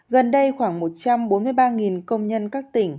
gần đây khoảng một trăm bốn mươi ba công nhân các tỉnh